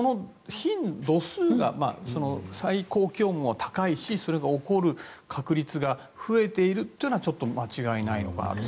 ただ最高気温も高いしそれが起こる確率が増えているというのはちょっと間違いないのかなと。